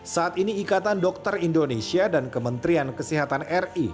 saat ini ikatan dokter indonesia dan kementerian kesehatan ri